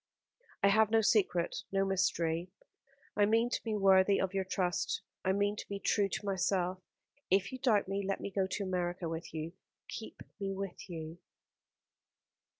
"I have no secret, no mystery; I mean to be worthy of your trust. I mean to be true to myself. If you doubt me let me go to America with you. Keep me with you."